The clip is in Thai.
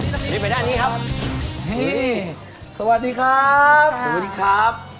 รีบไปด้านนี้ครับนี่สวัสดีครับสวัสดีครับ